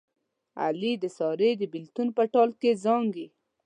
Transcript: علي د سارې د بلېتون په ټال کې زانګي.